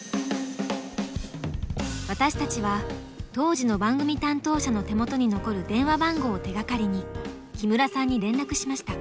私たちは当時の番組担当者の手元に残る電話番号を手がかりに木村さんに連絡しました。